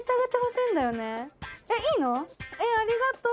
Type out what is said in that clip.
えっありがとう。